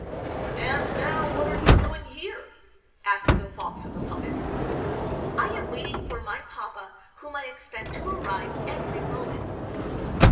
"And now, what are you doing here?" asked the Fox of the puppet. "I am waiting for my papa, whom I expect to arrive every moment."